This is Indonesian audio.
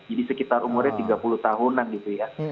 jadi sekitar umurnya tiga puluh tahunan gitu ya